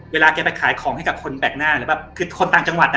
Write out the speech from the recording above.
เวลาแกไปขายของให้กับคนแปลกหน้าหรือแบบคือคนต่างจังหวัดอ่ะ